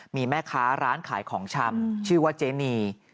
มีแม่ค้าร้านขายของชำชื่อว่าเจนี